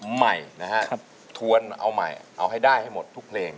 ใหม่นะฮะทวนเอาใหม่เอาให้ได้ให้หมดทุกเพลง